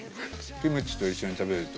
キムチと一緒に食べると。